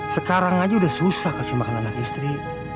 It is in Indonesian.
sekarang aja udah susah kasih makan anak istri